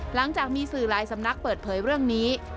หลังจากมีสื่อหลายสำนักเปิดเผยเรื่องนี้